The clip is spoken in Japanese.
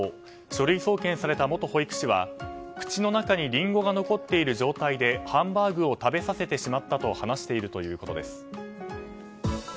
書類送検された元保育士は口の中にリンゴが残っている状態でハンバーグを食べさせてしまったと話しているということです。